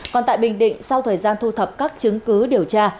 còn tại bình định sau thời gian thu thập các chứng cứ điều tra